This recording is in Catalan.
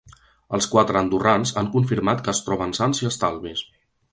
Els quatre andorrans han confirmat que es troben sans i estalvis.